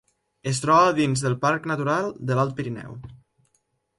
Es troba dins del Parc Natural de l'Alt Pirineu.